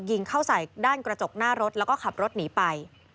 ยิงเข้าใส่ด้านกระจกหน้ารถแล้วก็ขับรถหนีไป